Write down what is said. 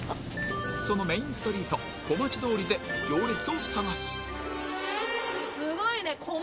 そのメインストリート小町通りで行列を探すすごい！